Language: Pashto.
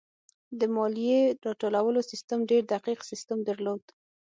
د مالیې راټولولو سیستم ډېر دقیق سیستم درلود.